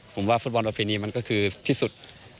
ผมว่าฟุตบอลดปีนี้มันก็คือที่สุด